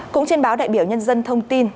cũng trên báo đại biểu nhân dân thông tin